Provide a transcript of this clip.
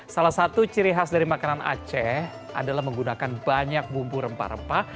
salah satu ciri khas dari makanan aceh adalah menggunakan banyak bumbu rempah rempah